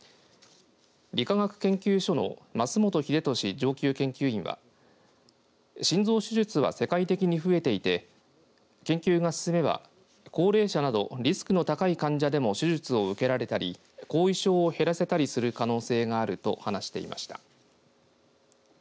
理化学研究所の升本英利上級研究員は心臓手術は世界的に増えていて研究が進めば、高齢者などリスクの高い患者でも手術を受けられたり後遺症を減らせたりする可能性があると話していました。